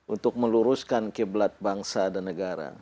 untuk meluruskan kiblat bangsa dan negara